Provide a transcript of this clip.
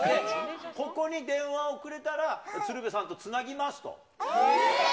ここに電話をくれたら、鶴瓶さんとつなぎますと。